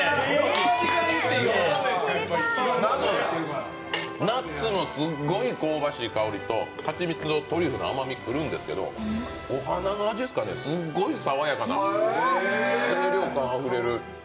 まず、ナッツのすごい香ばしい香りと蜂蜜とトリュフの甘みがくるんですけどお花の味っすかね、すっごい爽やかな清涼感あふれる。